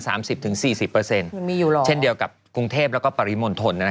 ยังไม่อยู่หรอเช่นเดียวกับกรุงเทพฯแล้วก็ปริมนธนฯ